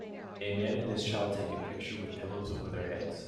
A man and his child take a picture with pillows over their heads.